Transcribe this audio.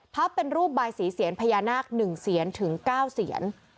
เป็นรูปบายสีเซียนพญานาค๑เสียนถึง๙เสียน